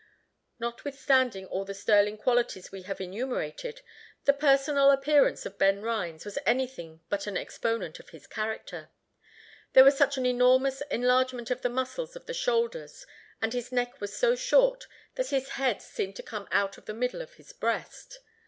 Notwithstanding all the sterling qualities we have enumerated, the personal appearance of Ben Rhines was anything but an exponent of his character. There was such an enormous enlargement of the muscles of the shoulders, and his neck was so short, that his head seemed to come out of the middle of his breast.